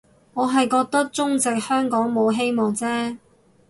我係覺得中殖香港冇希望啫